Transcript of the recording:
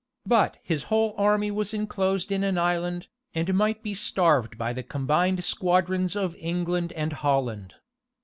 But his whole army was enclosed in an island, and might be starved by the combined squadrons of England and Holland.